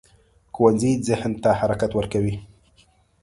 ښوونځی ذهن ته حرکت ورکوي